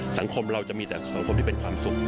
สังคมเราจะมีแต่สังคมที่เป็นความสุข